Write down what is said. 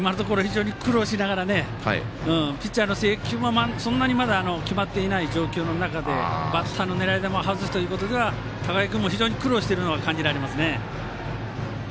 今のところ苦労しながらねピッチャーの制球もそんなにまだ決まっていない状況の中で、バッターの狙い球を外すということでは、高木君も苦労が感じられます。